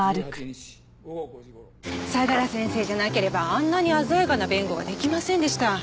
相良先生じゃなければあんなに鮮やかな弁護は出来ませんでした。